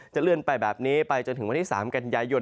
เลื่อนไปแบบนี้ไปจนถึงวันที่๓กันยายน